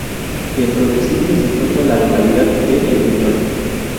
Dentro del sitio se encuentra la localidad de El Peñón.